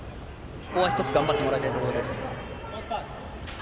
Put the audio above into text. ここは一つ、頑張ってもらいたいところです。